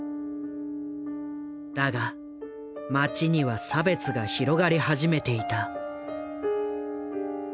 だが街には差別が広がり始めていた。